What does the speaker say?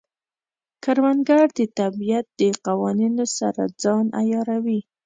کروندګر د طبیعت د قوانینو سره ځان عیاروي